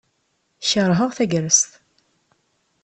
Kerheɣ tagrest.